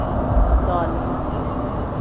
Tolima.